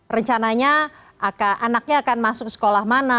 rencananya anaknya akan masuk sekolah mana